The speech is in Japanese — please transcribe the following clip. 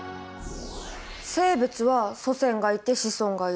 生物は祖先がいて子孫がいる。